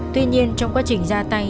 tuy nhiên trong quá trình ra tay